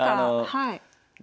はい。